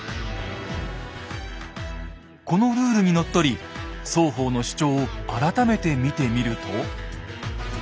このルールにのっとり双方の主張を改めて見てみると。